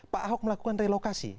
pak ahok melakukan relokasi